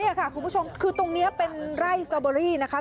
นี่ค่ะคุณผู้ชมคือตรงนี้เป็นไร่สตอเบอรี่นะคะ